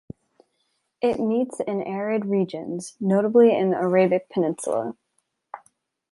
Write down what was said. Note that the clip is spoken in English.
It meets in arid regions, notably in the Arabic Peninsula.